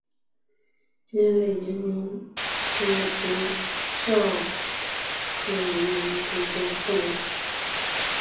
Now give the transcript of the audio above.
尖尾银鳞蛛为肖峭科银鳞蛛属的动物。